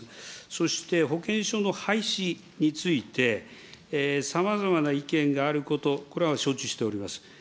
そして、保険証の廃止について、さまざまな意見があること、これは承知しております。